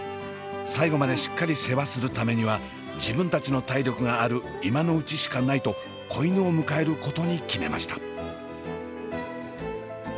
最後までしっかり世話するためには自分たちの体力がある今のうちしかないと子犬を迎えることに決めました。